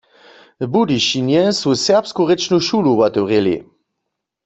W Budyšinje su Serbsku rěčnu šulu wotewrěli.